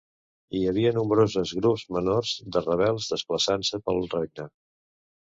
Hi havia nombroses grups menors de rebels desplaçant-se pel regne.